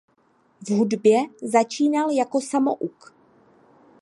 V hudbě začínal jako samouk.